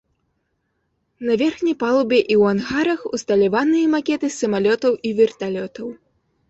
На верхняй палубе і ў ангарах усталяваныя макеты самалётаў і верталётаў.